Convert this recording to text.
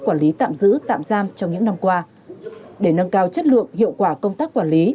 quản lý tạm giữ tạm giam trong những năm qua để nâng cao chất lượng hiệu quả công tác quản lý